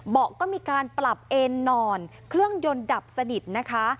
ก็มีการปรับเอนนอนเครื่องยนต์ดับสนิทนะคะ